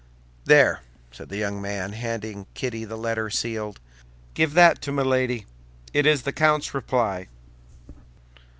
"There," said the young man, handing Kitty the letter sealed; "give that to Milady. It is the count's reply."